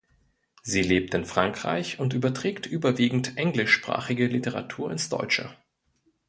Sie lebt in Frankreich und überträgt überwiegend englischsprachige Literatur ins Deutsche.